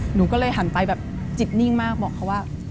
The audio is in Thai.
หนูก็เลยหันไปแบบจิตนิ่งมากบอกเขาว่า